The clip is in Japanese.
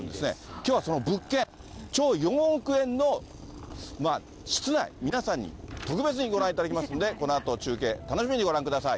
きょうはその物件、超４億円のまあ、室内、皆さんに特別にご覧いただきますので、このあと中継、楽しみにご覧ください。